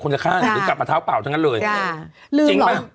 คนจะข้าดใช่หรือกลับมาเถาป่าวทั้งเงินเลยจริงมั้ย